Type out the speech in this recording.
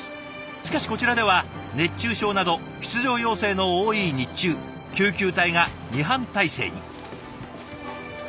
しかしこちらでは熱中症など出場要請の多い日中救急隊が２班体制に。